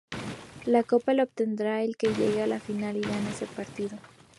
La Copa la obtendrá el que llegue a la final y gane ese partido.